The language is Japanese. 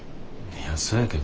いやそやけど。